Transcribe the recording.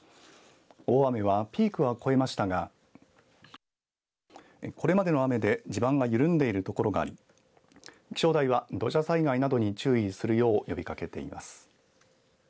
大雨は、ピークは越えましたがこれまでの雨で地盤が緩んでいるところがあり気象台は土砂災害などに注意するよう呼びかけています。